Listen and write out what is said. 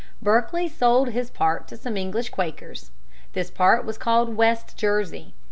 Berkeley sold his part to some English Quakers. This part was called West Jersey.